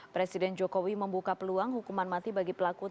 presiden jokowi membuka peluang hukuman mati bagi pelaku